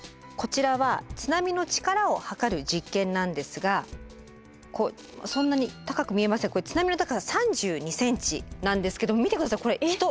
こちらは津波の力を測る実験なんですがそんなに高く見えませんがこれ津波の高さ３２ｃｍなんですけど見て下さい。